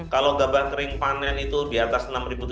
kalau gabah kering panen itu di atas enam tujuh ratus